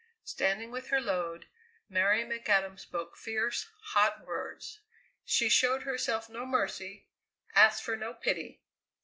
Standing with her load, Mary McAdam spoke fierce, hot words. She showed herself no mercy, asked for no pity.